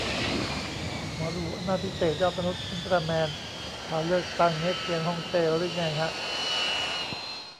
หมอดู อำนาจพิเศษ ยอดมนุษย์ อุลตร้าแมน ข่าวเลือกตั้งเง็กเซียนฮ่องเต้รึไงฮะ